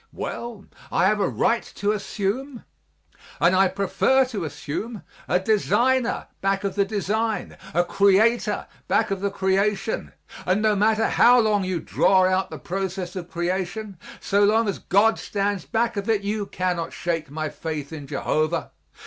Well, I have a right to assume, and I prefer to assume, a Designer back of the design a Creator back of the creation; and no matter how long you draw out the process of creation, so long as God stands back of it you cannot shake my faith in Jehovah.